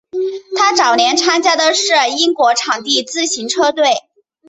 他早年参加的是英国场地自行车队。